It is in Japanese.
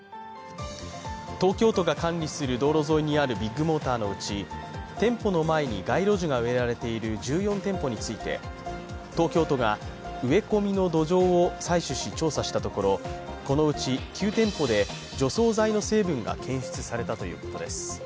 東京都が管理する道路沿いにあるビッグモーターのうち店舗の前に街路樹が植えられている１４店舗について東京都が植え込みの土壌を採取し、調査したところ、このうち９店舗で除草剤の成分が検出されたということです。